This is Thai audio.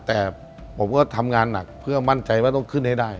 แต่ผมก็ทำงานหนักเพื่อมั่นใจว่าต้องขึ้นให้ได้